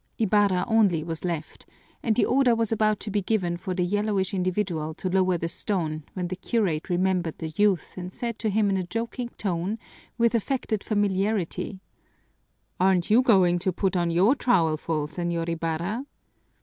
Ibarra only was left, and the order was about to be given for the yellowish individual to lower the stone when the curate remembered the youth and said to him in a joking tone, with affected familiarity: "Aren't you going to put on your trowelful, Señor Ibarra?"